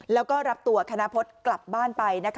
แล้วก็รับตัวคณพฤษกลับบ้านไป